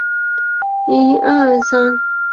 现居旧金山湾区希尔斯伯勒。